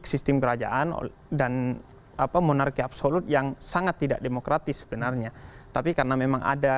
sistem kerajaan dan apa monarki absolut yang sangat tidak demokratis sebenarnya tapi karena memang ada